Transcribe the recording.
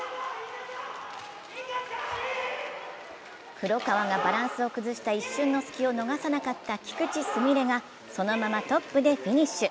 黒川がバランスを崩した一瞬の隙を許さなかった菊池純礼がそのままトップでフィニッシュ。